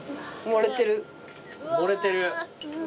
盛れてる。